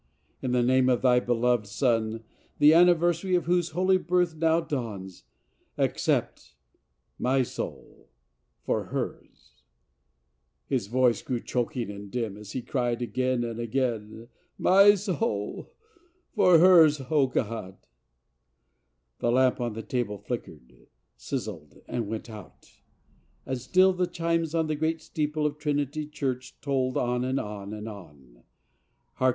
In the name of thy beloved Son, the anniversary of whose holy birth now dawns, accept my soul for hers !" His voice grew choking and dim as he cried, again and again, " My soul for hers, O God !" The lamp on the table flickered, sizzled, and went out, and still the chimes on the great steeple of Trinity Church tolled on and on and on: " Hark